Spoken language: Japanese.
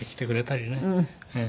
ええ。